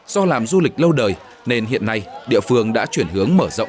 do làm du lịch lâu đời nên hiện nay địa phương đã chuyển hướng mở rộng